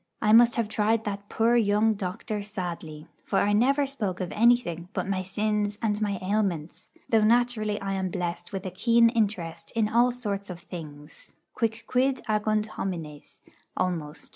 I must have tried that poor young doctor sadly; for I never spoke of anything but my sins and my ailments, though naturally I am blessed with a keen interest in all sorts of things quicquid agunt homines, almost.